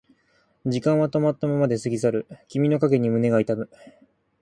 時間は止まったままで過ぎ去る君の影に胸が痛む